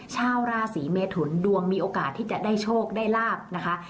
ชาวราศีเมทุนดวงมีโอกาสที่จะได้โชคได้ลาบนะคะ